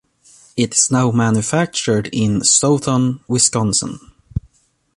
It is now manufactured in Stoughton, Wisconsin.